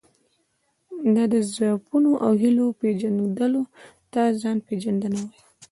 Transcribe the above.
دا د ضعفونو او هیلو پېژندلو ته ځان پېژندنه وایي.